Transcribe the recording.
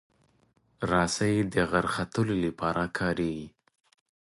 رسۍ د غر ختلو لپاره کارېږي.